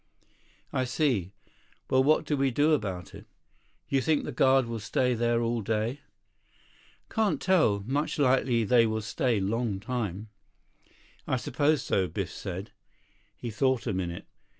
"I see. Well, what do we do about it? You think the guard will stay there all day?" "Can't tell. Much likely they will stay long time." "I suppose so," Biff said. He thought a minute.